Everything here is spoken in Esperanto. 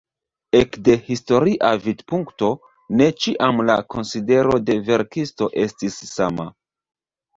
Ekde historia vidpunkto ne ĉiam la konsidero de verkisto estis sama.